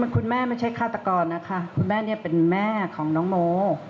คุณแม่ไม่ใช่ฆาตกรนะคะคุณแม่เนี่ยเป็นแม่ของน้องโม